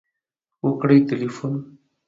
.وکړئ تلیفون